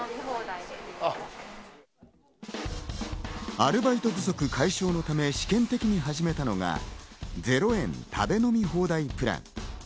アルバイト不足解消のため試験的に始めたのが、０円食べ飲み放題プラン。